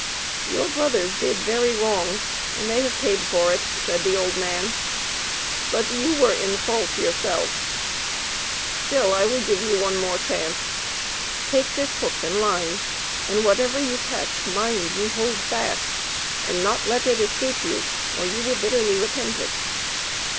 "Your brothers did very wrong, and they have paid for it," said the old man; "but you were in fault yourself. Still, I will give you one more chance. Take this hook and line; and whatever you catch, mind you hold fast, and not let it escape you; or you will bitterly repent it."